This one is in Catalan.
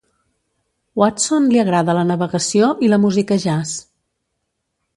Watson li agrada la navegació i la música jazz.